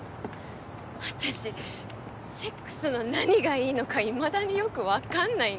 私セックスの何がいいのかいまだによく分かんないんだよね